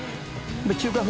中華風